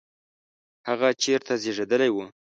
هغه چیرته زیږېدلی و؟